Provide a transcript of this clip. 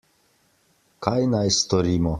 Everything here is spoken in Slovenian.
Kaj naj storimo?